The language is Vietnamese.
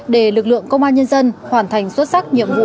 để lực lượng công an nhân dân hoàn thành xuất sắc nhiệm vụ